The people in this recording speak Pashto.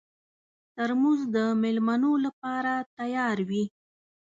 ترموز د مېلمنو لپاره تیار وي.